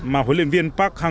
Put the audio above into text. mà huấn luyện viên đã tìm ra